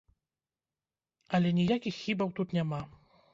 Але ніякіх хібаў тут няма.